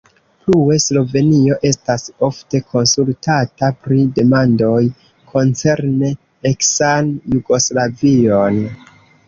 Plue, Slovenio estas ofte konsultata pri demandoj koncerne eksan Jugoslavion.